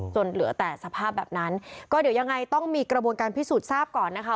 เหลือแต่สภาพแบบนั้นก็เดี๋ยวยังไงต้องมีกระบวนการพิสูจน์ทราบก่อนนะคะ